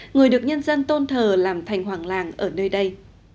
người được nhân dân tôn thờ làm thành hoàng làng ở nơi đây